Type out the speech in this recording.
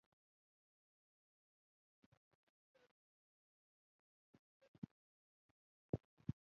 په نهمه میلادي پیړۍ کې نورمن قومونو پر روسیې یرغل وکړ.